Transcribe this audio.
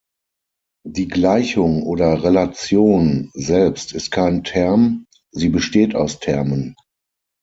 Die Gleichung oder Relation selbst ist kein Term, sie besteht aus Termen.